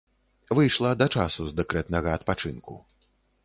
Выйшла да часу з дэкрэтнага адпачынку.